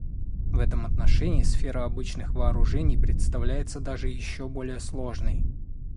В этом отношении сфера обычных вооружений представляется даже еще более сложной.